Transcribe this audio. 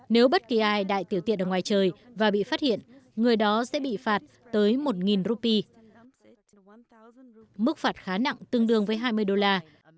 nếu bất kỳ ai đại tiểu tiện ở ngoài trời và bị phát hiện người đó sẽ bị phạt tới một rupee mức phạt khá nặng tương đương với hai mươi đô la